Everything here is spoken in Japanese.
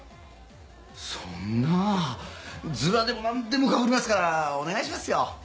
そんなヅラでもなんでもかぶりますからお願いしますよ！